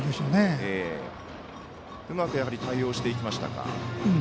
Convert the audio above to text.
うまく対応していきましたか？